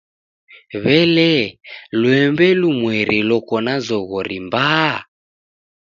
W'ele, lwembe lumweri loko na zoghori mbaa?